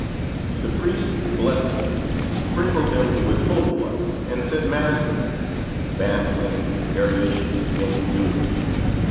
The priest blessed them, sprinkled them with holy water, and said mass for them, the band playing the variations of "Yankee Doodle."